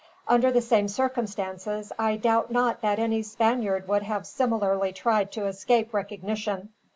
Under the same circumstances, I doubt not that any Spaniard would have similarly tried to escape recognition.